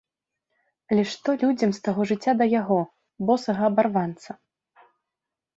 Але што людзям з таго жыцця да яго, босага абарванца?!